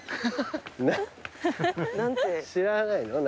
知らないの？